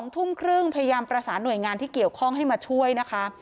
ทุ่มครึ่งพยายามประสานหน่วยงานที่เกี่ยวข้องให้มาช่วยนะคะ